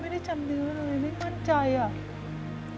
ไม่มั่นใจอ่ะ